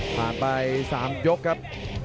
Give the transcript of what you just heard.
ผ่านไป๓ยกครับ